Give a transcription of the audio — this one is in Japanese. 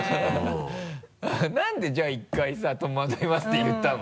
なんでじゃあ１回さ「戸惑います」って言ったの？